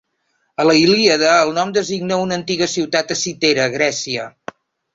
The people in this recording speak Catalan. A la Ilíada el nom designa una antiga ciutat a Citera, Grècia.